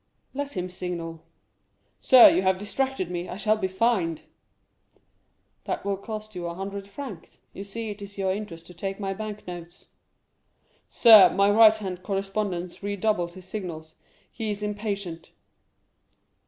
"Let him signal." "Sir, you have distracted me; I shall be fined." "That will cost you a hundred francs; you see it is your interest to take my bank notes." "Sir, my right hand correspondent redoubles his signals; he is impatient."